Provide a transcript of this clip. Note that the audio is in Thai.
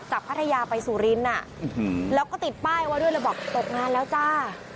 พัทยาไปสุรินทร์แล้วก็ติดป้ายไว้ด้วยเลยบอกตกงานแล้วจ้า